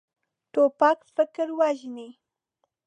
توپک فکر وژني.